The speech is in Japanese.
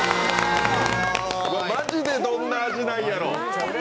マジでどんな味なんやろ。